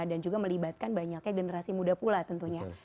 dan juga melibatkan banyaknya generasi muda pula tentunya